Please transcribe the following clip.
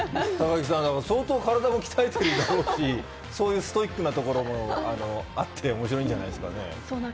相当、体も鍛えてるんだろうし、そういうストイックなところもあって面白いんじゃないですかね。